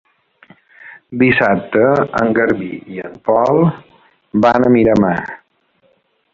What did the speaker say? Dissabte en Garbí i en Pol van a Miramar.